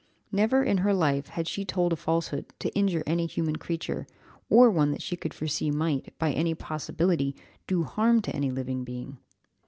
Never in her life had she told a falsehood to injure any human creature, or one that she could foresee might, by any possibility do harm to any living being.